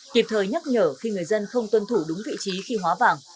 kịp thời nhắc nhở khi người dân không tuân thủ đúng vị trí khi hóa vàng